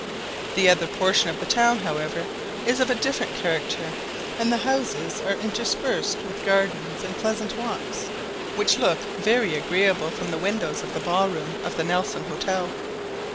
The other portion of the town, however, is of a different character, and the houses are interspersed with gardens and pleasant walks, which looked very agreeable from the windows of the ball room of the Nelson Hotel.